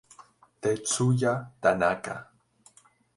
Tetsuya Tanaka